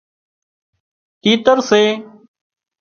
تيتر سي